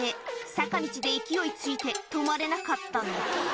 坂道で勢いついて止まれなかったの」